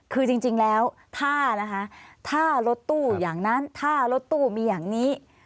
คือจริงแล้วถ้านะคะถ้ารถตู้อย่างนั้นถ้ารถตู้มีอย่างนี้